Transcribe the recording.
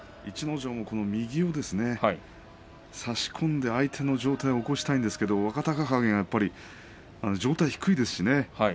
逸ノ城も右を差し込んで相手の上体を起こしたいんですけれども若隆景が上体が低いですしね。